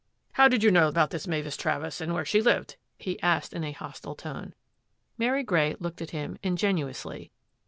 " How did you know about this Mavis Travers and where she lived? " he asked in a hostile tone. Mary Grey looked at him ingenuously.